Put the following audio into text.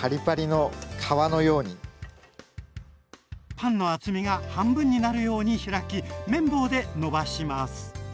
パンの厚みが半分になるように開き麺棒でのばします。